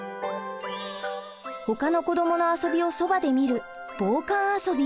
ほかの子どもの遊びをそばで見る「傍観遊び」。